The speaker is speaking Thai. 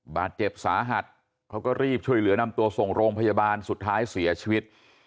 บาดเจ็บสาหัสเขาก็รีบช่วยเหลือนำตัวส่งโรงพยาบาลสุดท้ายเสียชีวิต